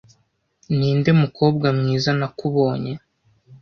Ninde mukobwa mwiza nakubonye